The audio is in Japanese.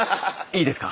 いいですか？